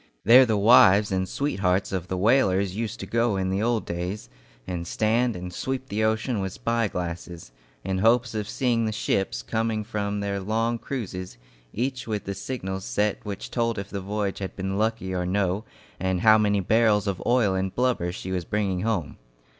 There the wives and sweethearts of the whalers used to go in the old days, and stand and sweep the ocean with spy glasses, in hopes of seeing the ships coming in from their long cruises each with the signals set which told if the voyage had been lucky or no, and how many barrels of oil and blubber she was bringing home.